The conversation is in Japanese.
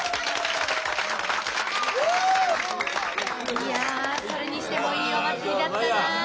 いやそれにしてもいいお祭りだったな。